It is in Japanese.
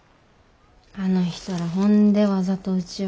あの人らほんでわざとうちを。